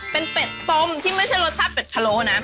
เป็นเป็ดต้มที่ไม่ใช่รสชาติเป็ดพะโล้นะ